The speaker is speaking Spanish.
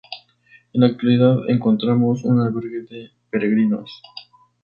En la actualidad encontramos un albergue de peregrinos.